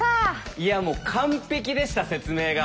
いやもう完璧でした説明が。